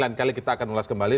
kali kita akan ulas kembali